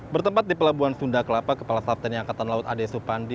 bertempat di pelabuhan sunda kelapa kepala staf tni angkatan laut ade supandi